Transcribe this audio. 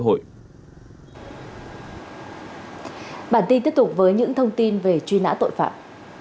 lễ hội bản tin tiếp tục với những thông tin về truy nã tội phạm